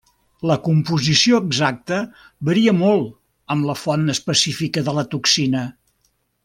La composició exacta varia molt amb la font específica de la toxina.